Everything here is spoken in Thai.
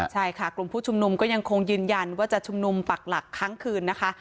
ใช่ค่ะกลุ่มผู้ชุมนุมก็ยังคงยืนยันว่าจะชุมนุมปักหลักครั้งคืนนะคะ